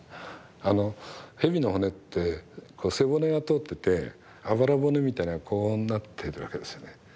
蛇の骨って背骨が通っててあばら骨みたいなのがこうなってるわけですよね。